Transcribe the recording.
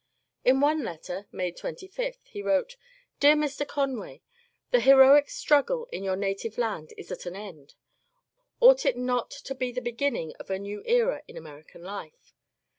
In one letter (May 25) he wrote :— Deab Mb. Conwat, — The heroic struggle in your native land is at an end. Ought it not to be the beginning of a new era in American life